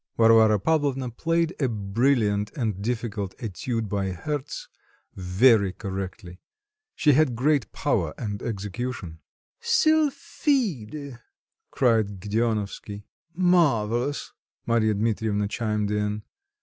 Varvara Pavlovna played a brilliant and difficult étude by Hertz very correctly. She had great power and execution. "Sylphide!" cried Gedeonovsky. "Marvellous!" Marya Dmitrievna chimed in.